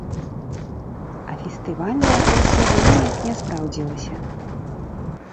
А фестывальная атмасфера неяк не спраўдзілася.